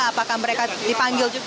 apakah mereka dipanggil juga